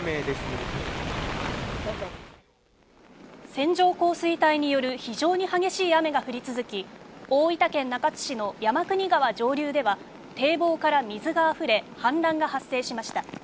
線状降水帯による非常に激しい雨が降り続き、大分県中津市の山国川上流では、堤防から水があふれ、氾濫が発生しました。